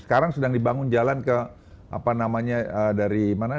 sekarang sedang dibangun jalan ke apa namanya dari mana